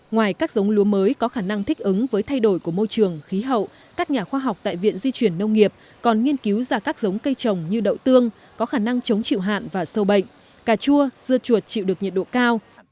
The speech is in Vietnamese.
ngoài các giống lúa mới có khả năng thích ứng với thay đổi của môi trường khí hậu các nhà khoa học tại viện di chuyển nông nghiệp còn nghiên cứu ra các giống cây trồng như đậu tương có khả năng chống chịu hạn và sâu bệnh cà chua dưa chuột chịu được nhiệt độ cao